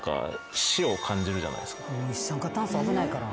一酸化炭素危ないから。